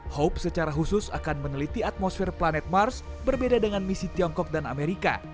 hope secara khusus akan meneliti atmosfer planet mars berbeda dengan misi tiongkok dan amerika